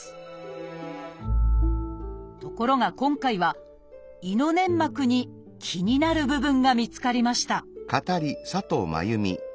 ところが今回は胃の粘膜に気になる部分が見つかりました